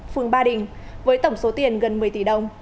phường ba đình với tổng số tiền gần một mươi tỷ đồng